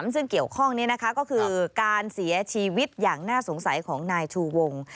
ซึ่งเกี่ยวข้องนี้นะคะก็คือการเสียชีวิตอย่างน่าสงสัยของนายชูวง